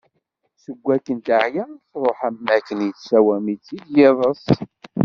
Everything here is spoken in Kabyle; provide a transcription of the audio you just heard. Seg wakken teɛya, truḥ am wakken yettsawam-itt-id yiḍeṣ.